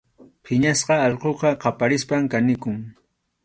Phiñasqa allquqa qaparispam kanikun.